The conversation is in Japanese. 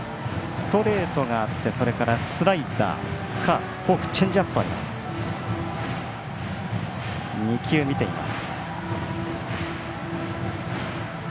ストレートがあってスライダーカーブ、フォークチェンジアップとあります。